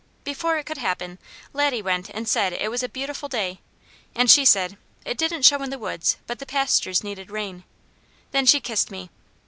Before it could happen Laddie went and said it was a "beautiful day," and she said "it didn't show in the woods, but the pastures needed rain." Then she kissed me.